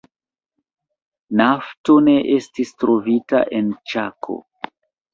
Nafto ne estis trovita en Ĉako.